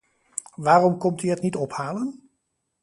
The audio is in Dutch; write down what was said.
Waarom komt u het niet ophalen?